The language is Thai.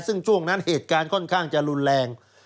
ซึ่งช่วงนั้นเหตุการณ์ค่อนข้างจะรุนแรง